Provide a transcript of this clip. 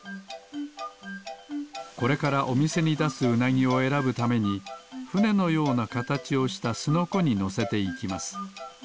これからおみせにだすウナギをえらぶためにふねのようなかたちをしたスノコにのせていきます。